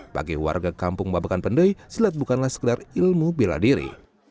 bagi warga kampung babakan pendai silat bukanlah sekedar ilmu bela diri